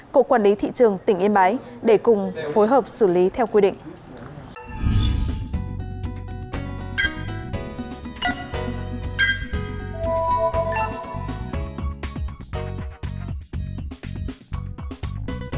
của quản lý thị trường tỉnh yên bái để cùng phối hợp xử lý theo quy định